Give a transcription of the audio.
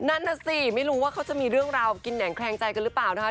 นั่นน่ะสิไม่รู้ว่าเขาจะมีเรื่องราวกินแหงแคลงใจกันหรือเปล่านะคะ